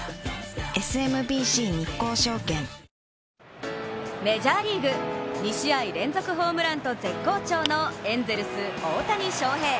ＳＭＢＣ日興証券メジャーリーグ、２試合連続ホームランと絶好調のエンゼルス・大谷翔平。